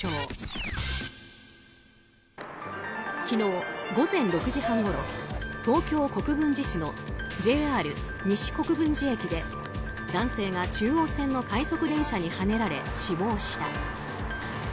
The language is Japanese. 昨日午前６時半ごろ東京・国分寺市のＪＲ西国分寺駅で男性が中央線の快速電車にはねられ死亡した。